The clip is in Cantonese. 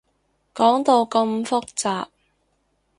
講到咁複雜